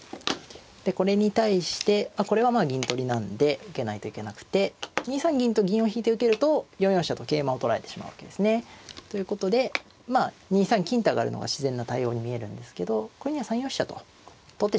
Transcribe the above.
でこれに対してこれはまあ銀取りなんで受けないといけなくて２三銀と銀を引いて受けると４四飛車と桂馬を取られてしまうわけですね。ということでまあ２三金って上がるのが自然な対応に見えるんですけどこれには３四飛車と取ってしまうと。